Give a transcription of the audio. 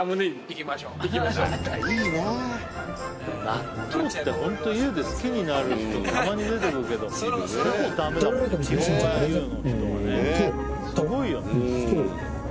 納豆ってホントＹＯＵで好きになる人たまに出てくるけどほぼダメだもんね。